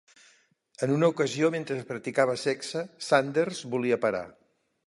En una ocasió, mentre practicava sexe, Sanders volia parar.